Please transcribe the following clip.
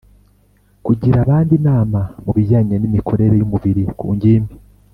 Kugira abandi inama mu bijyanye n imikorere y umubiri ku ngimbi